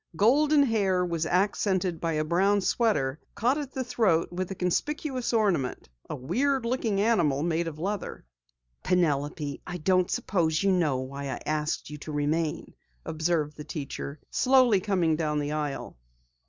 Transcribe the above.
Golden hair was accented by a brown sweater caught at the throat with a conspicuous ornament, a weird looking animal made of leather. "Penelope, I don't suppose you know why I asked you to remain," observed the teacher, slowly coming down the aisle.